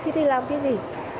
thì đi làm cái gì